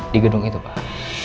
di gedung itu pak